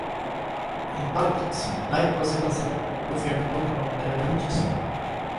In politics, Lyte was a Conservative who feared revolt among the irreligious poor.